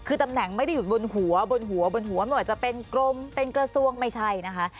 คือตำแหน่งไม่ได้อยู่บนหัวบนหัวบนหัวไม่ว่าจะเป็นกรมเป็นกระทรวงไม่ใช่นะคะ